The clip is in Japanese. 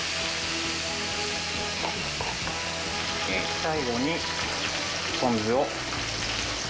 最後にポン酢を。